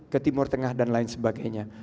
ke timur tengah dan lain sebagainya